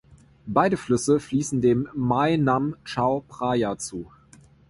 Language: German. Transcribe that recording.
Beide Flüsse fließen dem Mae Nam Chao Phraya zu.